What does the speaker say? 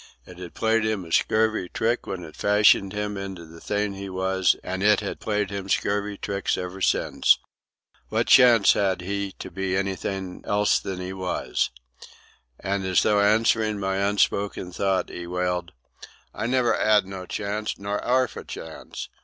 It had played him a scurvy trick when it fashioned him into the thing he was, and it had played him scurvy tricks ever since. What chance had he to be anything else than he was? And as though answering my unspoken thought, he wailed: "I never 'ad no chance, not 'arf a chance!